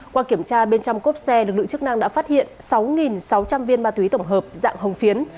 qua kiểm tra bên trong cốp xe lực lượng chức năng đã phát hiện sáu sáu trăm linh viên ma túy tổng hợp dạng hồng phiến